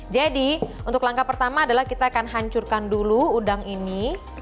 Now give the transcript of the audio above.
jadi untuk langkah pertama adalah kita akan hancurkan dulu udang ini